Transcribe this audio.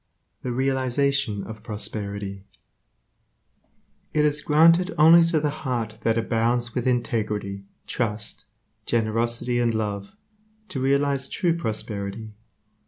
7. The realization of prosperity It is granted only to the heart that abounds with integrity, trust, generosity and love to realize true prosperity.